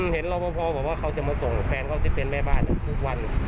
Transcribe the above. เห็นรอพอบอกว่าเขาจะมาส่งแฟนเขาที่เป็นแม่บ้านทุกวัน